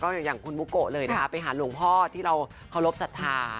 อย่างคุณบุโกะเลยนะคะไปหาหลวงพ่อที่เราเคารพสัทธา